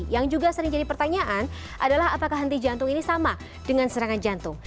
yang juga sering jadi pertanyaan adalah apakah henti jantung ini sama dengan serangan jantung